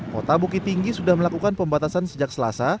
kota bukit tinggi sudah melakukan pembatasan sejak selasa